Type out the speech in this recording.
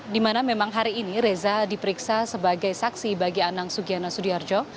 dimana memang hari ini reza diperiksa sebagai saksi bagi anak sugiana sudiharjo